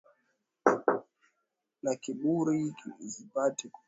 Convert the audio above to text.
na karibuni zipate ku kuelewa kwamba